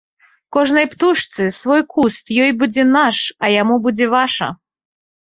Кожнай птушцы свой куст, ёй будзе наш, а яму будзе ваша.